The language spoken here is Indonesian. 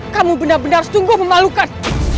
kamu benar benar sungguh memalukan